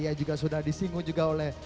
yang juga sudah disinggung juga oleh